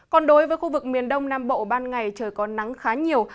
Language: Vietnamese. còn đối với khu vực miền đông nam bộ ban ngày trời có nắng khá nhiều